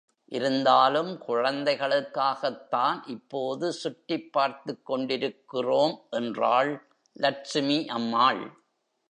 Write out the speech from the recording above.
இருந்தாலும், குழந்தைகளுக்காகத் தான் இப்போது சுற்றிப் பார்த்துக் கொண்டிருக்கிறோம், என்றாள் லட்சுமி அம்மாள்.